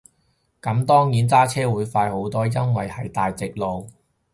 咁當然揸車會快好多，因為係大直路